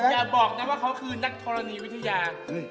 อย่าบอกนะว่าเขาคือนักธรณีวิทยา